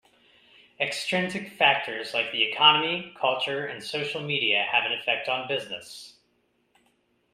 Extrinsic factors like the economy, culture and social media have an effect on business.